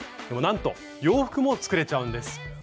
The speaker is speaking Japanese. でもなんと洋服も作れちゃうんです。